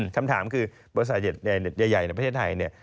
คำถามคือบริษัทใหญ่ในประเทศไทยเนี่ย